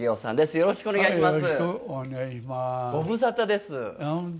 よろしくお願いします。